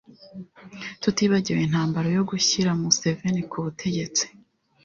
tutibagiwe intambara yo gushyira Museveni ku butegetsi.